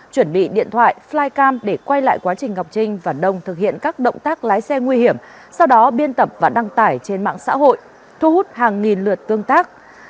chuẩn bị điện thoại flycam để quay lại quá trình ngọc trinh và đông thực hiện các động tác lái xe nguy hiểm sau đó biên tập và đăng tải trên mạng xã hội thu hút hàng nghìn lượt tương tác